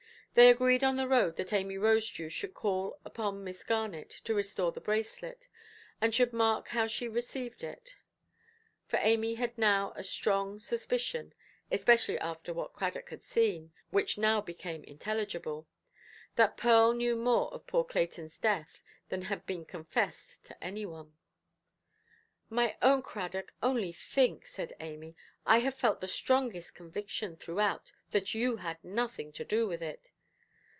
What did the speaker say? They agreed on the road that Amy Rosedew should call upon Miss Garnet to restore the bracelet, and should mark how she received it; for Amy had now a strong suspicion (especially after what Cradock had seen, which now became intelligible) that Pearl knew more of poor Claytonʼs death than had been confessed to any one. "My own Cradock, only think", said Amy; "I have felt the strongest conviction, throughout, that you had nothing to do with it".